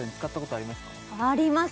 あります